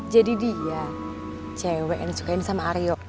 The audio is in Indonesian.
jadi dia cewek yang disukain sama aryo